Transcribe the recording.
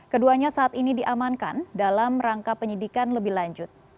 keduanya saat ini diamankan dalam rangka penyidikan lebih lanjut